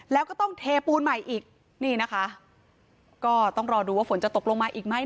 แล้วก็ต้องเทปูนใหม่อีกนี่นะคะก็ต้องรอดูว่าฝนจะตกลงมาอีกไหม